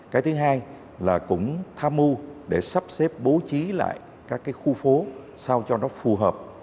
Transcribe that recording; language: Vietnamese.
cái thứ hai là cũng tham mưu để sắp xếp bố trí lại các cái khu phố sao cho nó phù hợp